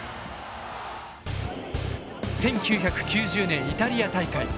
１９９０年イタリア大会。